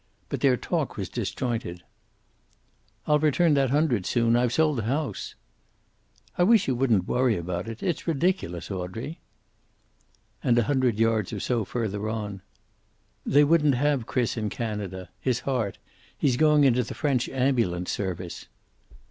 But their talk was disjointed: "I'll return that hundred soon. I've sold the house." "I wish you wouldn't worry about it. It's ridiculous, Audrey." And, a hundred yards or so further on, "They wouldn't have Chris in Canada. His heart. He's going into the French Ambulance service."